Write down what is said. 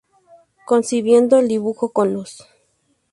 Concibiendo el "dibujo con luz".